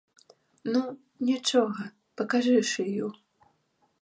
Ну, нічога, пакажы шыю.